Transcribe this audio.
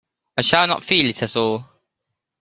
I shall not feel it at all.